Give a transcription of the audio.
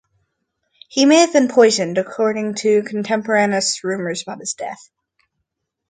He may have been poisoned, according to contemporaneous rumors about his death.